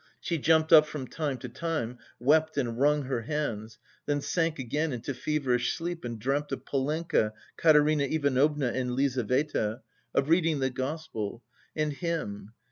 She jumped up from time to time, wept and wrung her hands, then sank again into feverish sleep and dreamt of Polenka, Katerina Ivanovna and Lizaveta, of reading the gospel and him...